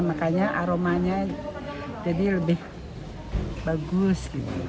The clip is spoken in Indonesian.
makanya aromanya jadi lebih bagus